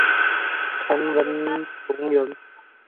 陈文龙人。